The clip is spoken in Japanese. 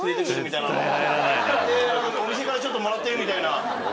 お店からちょっともらってるみたいな。